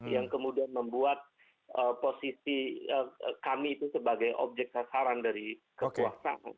yang kemudian membuat posisi kami itu sebagai objek sasaran dari kekuasaan